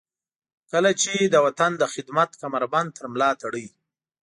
کله چې د وطن د خدمت کمربند تر ملاتړئ.